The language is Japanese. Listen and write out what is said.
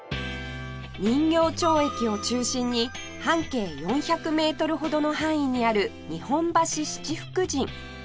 人形町駅を中心に半径４００メートルほどの範囲にある日本橋七福神